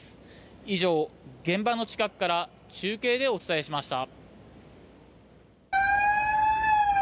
以上、現場の近くから中継でお伝えしました。